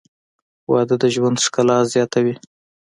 • واده د ژوند ښکلا زیاتوي.